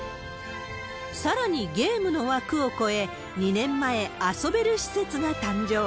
さらにゲームの枠を超え、２年前、遊べる施設が誕生。